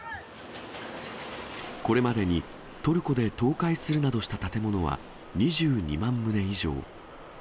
これまでにトルコで倒壊するなどした建物は、２２万棟以上。